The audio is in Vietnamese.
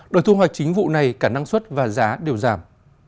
đợt thu hoạch chính vụ này cả năng suất và giá đều giảm